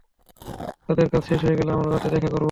তাদের কাজ শেষ হয়ে গেলে আমরা রাতে দেখা করব।